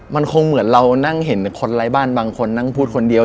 มันคงเหมือนเรานั่งเห็นคนไร้บ้านบางคนนั่งพูดคนเดียว